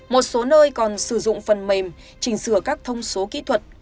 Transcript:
một số nơi còn sử dụng phần mềm chỉnh sửa các thông số kỹ thuật